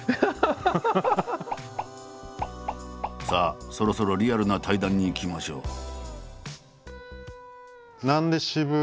さあそろそろリアルな対談にいきましょう。